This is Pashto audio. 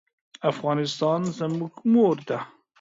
افغانستان زموږ مور ده